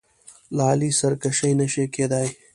له علي سرکشي نه شي کېدای.